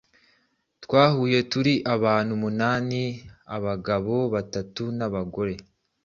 Twahuye turi abantu umunani. Abagabo batatu n’abagore